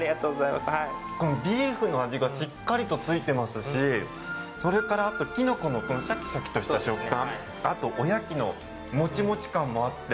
ビーフの味がしっかりと付いてますしそれから、きのこのこのシャキシャキとした食感おやきのもちもち感もあって。